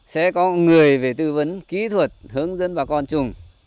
sẽ có người về tư vấn kỹ thuật hướng dẫn bà con trùng